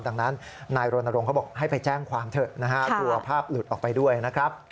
ดังนั้นนายรณรงค์เขาบอกให้ไปแจ้งความเถอะนะฮะกลัวภาพหลุดออกไปด้วยนะครับ